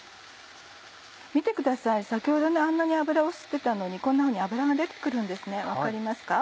見てください先ほどあんなに油を吸ってたのにこんなふうに油が出て来るんです分かりますか？